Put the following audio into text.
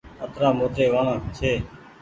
اترآ موٽي وڻ ڇي